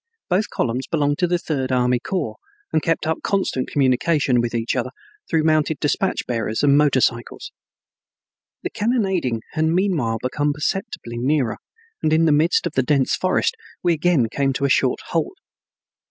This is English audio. Both columns belonged to the Third Army Corps and kept up constant communication with each other through mounted dispatch bearers and motor cycles. The cannonading had meanwhile come perceptibly nearer, and in the midst of the dense forest we again came to a short halt.